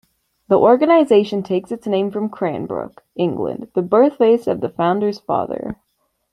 The organization takes its name from Cranbrook, England, the birthplace of the founder's father.